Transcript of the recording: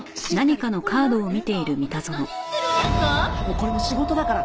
これも仕事だから！